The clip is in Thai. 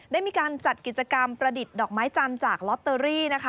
ได้มีการจัดกิจกรรมประดิษฐ์ดอกไม้จันทร์จากลอตเตอรี่นะคะ